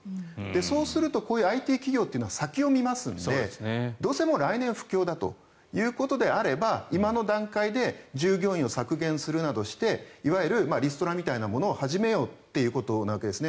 そうするとＩＴ企業は先を見ますのでどうせ来年不況だということであれば今の段階で従業員を削減するなどしていわゆるリストラみたいなものを始めようということなんです。